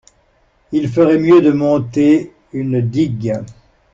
Il ferait mieux de monter une digue.